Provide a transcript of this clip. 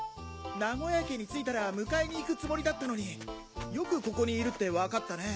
名古屋駅に着いたら迎えに行くつもりだったのによくここにいるって分かったね。